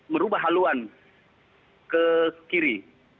merubah haluan ke kiri